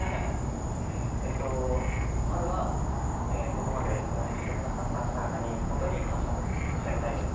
まずは、ここまで応援してくださった方々に本当に感謝を申し上げたいです。